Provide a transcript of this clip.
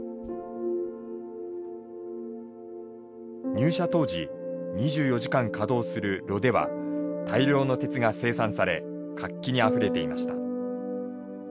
入社当時２４時間稼働する炉では大量の鉄が生産され活気にあふれていました。